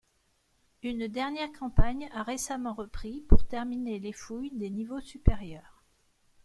Une dernière campagne a récemment repris pour terminer les fouilles des niveaux supérieurs.